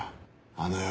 あの夜。